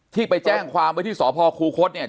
ที่ไปแจ้งความว่าที่สภคลูครตเนี่ย